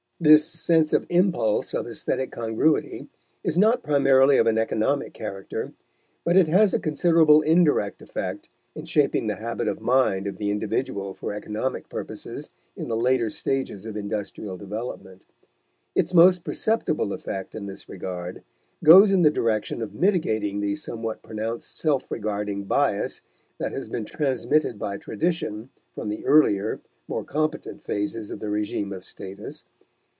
This sense of impulse of aesthetic congruity is not primarily of an economic character, but it has a considerable indirect effect in shaping the habit of mind of the individual for economic purposes in the later stages of industrial development; its most perceptible effect in this regard goes in the direction of mitigating the somewhat pronounced self regarding bias that has been transmitted by tradition from the earlier, more competent phases of the regime of status.